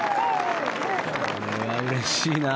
これはうれしいな！